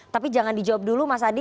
tapi jangan di jawab dulu mas adi